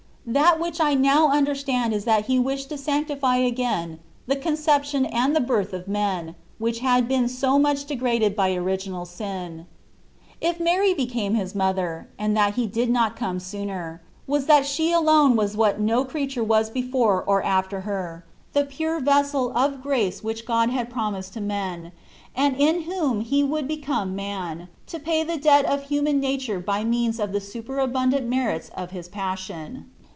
That which I now understand is that He wished to sanctify again the conception and the birth of men, which had been so much degraded by original sin. If Mary became His mother, and that He did not come sooner, was that she alone was what no creature was before or after her, the pure vessel of XorD Jesus Gbrist. 27 grace which God had promised to men, and in whom He would become man, to pay the debt of human nature by means of the superabundant merits of His passion.